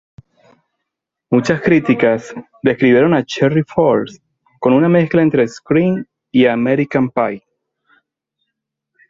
Muchas críticas describieron a "Cherry Falls" con una mezcla entre "Scream" y "American Pie".